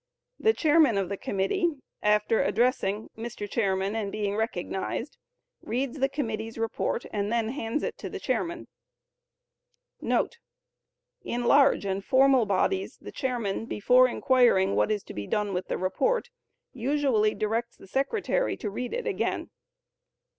The chairman of the committee, after addressing "Mr. Chairman" and being recognized, reads the committee's report and then hands it to the chairman.* [In large and formal bodies the chairman, before inquiring what is to be done with the report, usually directs the secretary to read it again.